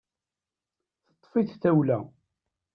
Teṭṭefi-t tawla.